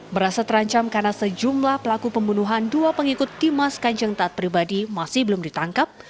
merasa terancam karena sejumlah pelaku pembunuhan dua pengikut dimas kanjeng taat pribadi masih belum ditangkap